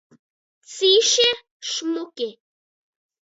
Cīši šmuki!